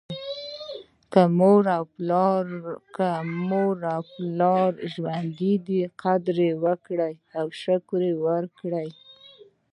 که مو مور او پلار ژوندي دي قدر یې وکړئ او شکر وکړئ.